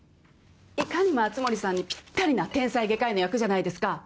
いかにも熱護さんにぴったりな天才外科医の役じゃないですか。